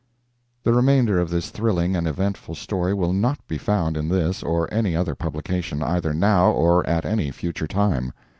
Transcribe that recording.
[The remainder of this thrilling and eventful story will NOT be found in this or any other publication, either now or at any future time.